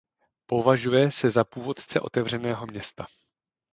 Považuje se za původce otevřeného města.